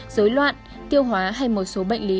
dối loạn tiêu hóa hay một số bệnh lý